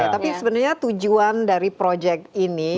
tapi sebenarnya tujuan dari proyek ini